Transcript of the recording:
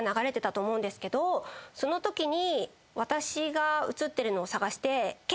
そのときに。